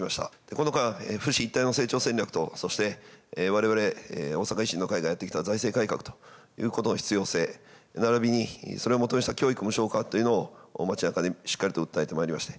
この間、府市一体の成長戦略と、そしてわれわれ大阪維新の会がやってきた財政改革ということの必要性ならびに、それをもとにした教育無償化というのを街なかでしっかりと訴えてまいりました。